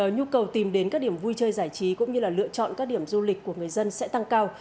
nhu cầu tìm đến các điểm vui chơi giải trí cũng như lựa chọn các điểm du lịch của người dân sẽ tăng cao